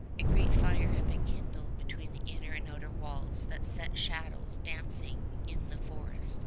A great fire had been kindled between the inner and outer walls that set shadows dancing in the forest.